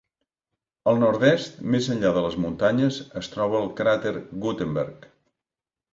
Al nord-est, més enllà de les muntanyes, es troba el cràter Gutenberg.